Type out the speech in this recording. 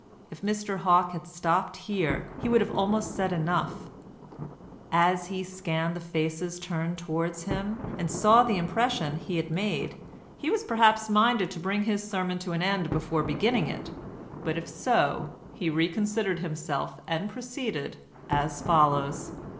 If Mr Hawke had stopped here he would have almost said enough; as he scanned the faces turned towards him, and saw the impression he had made, he was perhaps minded to bring his sermon to an end before beginning it, but if so, he reconsidered himself and proceeded as follows.